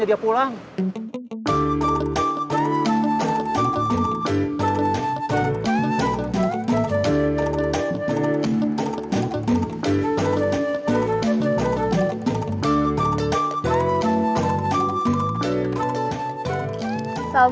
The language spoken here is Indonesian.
gak ada apa apa lagi